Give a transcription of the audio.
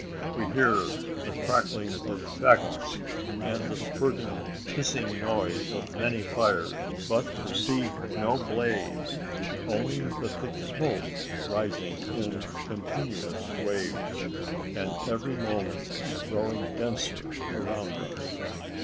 We hear the crackling of faggots, and the spurting hissing noise of many fires; but perceive no blaze only the thick smoke rising in continuous waves, and every moment growing denser around us.